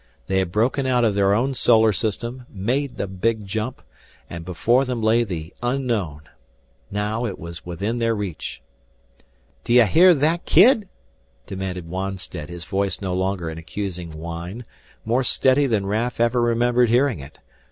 They had broken out of their own solar system, made the big jump, and before them lay the unknown. Now it was within their reach. "D'you hear that, kid?" demanded Wonstead, his voice no longer an accusing whine, more steady than Raf ever remembered hearing it.